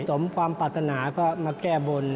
สมความปรารถนาก็มาแก้บน